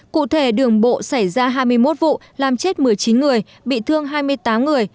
cụ thể đường bộ xảy ra hai mươi một vụ làm chết một mươi chín người bị thương hai mươi tám người